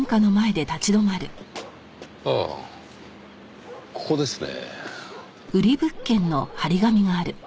ああここですね。